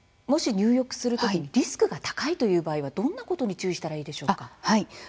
もし入浴するときにリスクが高いという場合はどういうことに注意すればいいでしょうか。